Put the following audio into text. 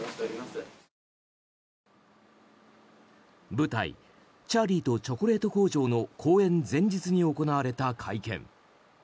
舞台「チャーリーとチョコレート工場」の公演前日に行われた会見。